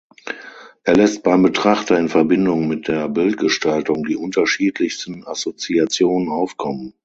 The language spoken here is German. Er lässt beim Betrachter in Verbindung mit der Bildgestaltung die unterschiedlichsten Assoziationen aufkommen.